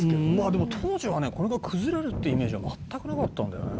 「でも当時はねこれが崩れるってイメージは全くなかったんだよね」